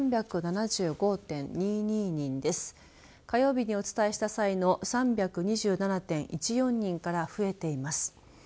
火曜日にお伝えした際の３２７．１４人から増えています。